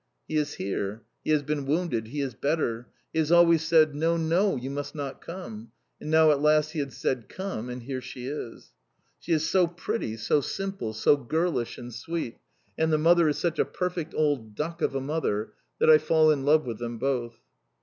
He is here. He has been wounded. He is better. He has always said, "No! no! you must not come." And now at last he had said, "Come," and here she is! She is so pretty, so simple, so girlish, and sweet, and the mother is such a perfect old duck of a mother, that I fall in love with them both.